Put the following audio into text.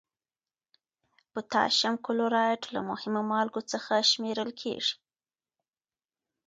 پوتاشیم کلورایډ له مهمو مالګو څخه شمیرل کیږي.